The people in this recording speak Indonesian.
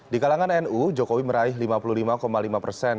di kalangan nu jokowi meraih lima puluh lima lima persen